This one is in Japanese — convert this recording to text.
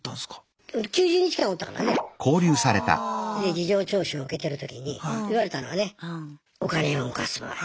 事情聴取を受けてる時に言われたのはねお金を動かす場合。